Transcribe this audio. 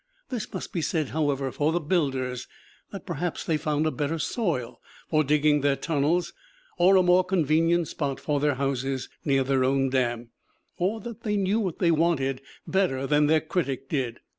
This must be said, however, for the builders, that perhaps they found a better soil for digging their tunnels, or a more convenient spot for their houses near their own dam; or that they knew what they wanted better than their critic did.